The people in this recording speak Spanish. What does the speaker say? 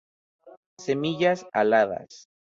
Semillas aladas.